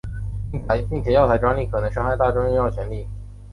并且药材专利可能伤害大众用药权利。